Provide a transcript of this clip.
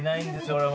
俺。